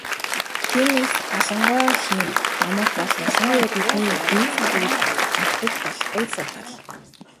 Тиймээс, Алан гоо эхийн домог бол ялангуяа бидний энэ цаг үед мартаж болохгүй сургаал.